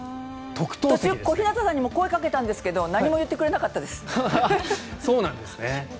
小日向さんにも声をかけたんですけど何も言ってくれなかったです。